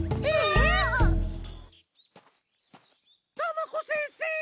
たまこ先生！